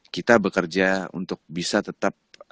kita bekerja untuk bisa tetap